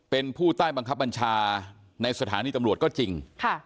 เป็นผู้ใต้บังคับบัญชาในสถานีตำรวจก็จริง